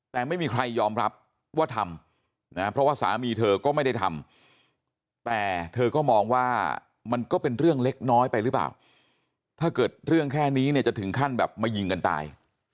แต่ไม่มีใครยอมรับว่าทำนะเพราะว่าสามีเธอก็ไม่ได้ทำแต่เธอก็มองว่ามันก็เป็นเรื่องเล็กน้อยไปหรือเปล่าถ้าเกิดเรื่องแค่นี้เนี่ยจะถึงขั้นแบบมายิงกันตาย